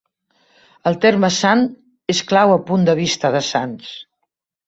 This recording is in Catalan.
El terme "Sant" és clau a "punt de vista de Sants"